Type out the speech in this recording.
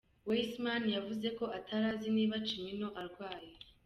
Weissmann yavuze ko atari azi niba Cimino arwaye.